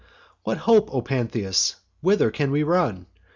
'What hope, O Pantheus? whither can we run?